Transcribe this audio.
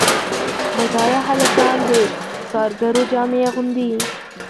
بډایه هلکان د کارګرو جامې اغوندي.